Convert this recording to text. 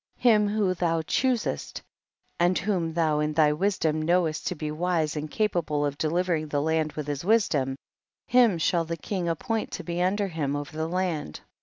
Him whom thou choosest, and whom thou in thy wisdom knowest to be wise and capable of dehvering the land with his wisdom, him shall the king appoint to be under him over the land.